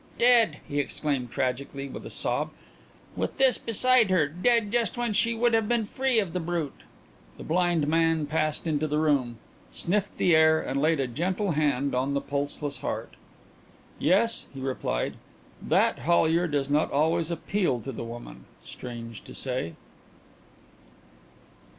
"Dead!" he exclaimed tragically, with a sob, "with this beside her. Dead just when she would have been free of the brute." The blind man passed into the room, sniffed the air, and laid a gentle hand on the pulseless heart. "Yes," he replied. "That, Hollyer, does not always appeal to the woman, strange to say."